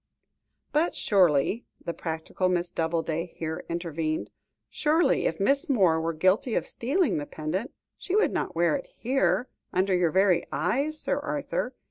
"But surely," the practical Miss Doubleday here intervened, "surely, if Miss Moore were guilty of stealing the pendant, she would not wear it here, under your very eyes, Sir Arthur.